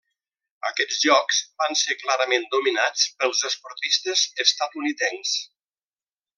Aquests jocs van ser clarament dominats pels esportistes estatunidencs.